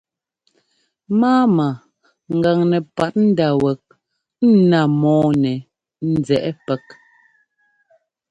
Máama ŋgaŋ nɛpat ndá wɛk ńná mɔ́ɔ nɛ nzɛꞌɛ́ pɛk.